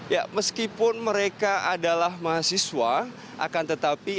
ya meskipun mereka adalah mahasiswa akan tetapi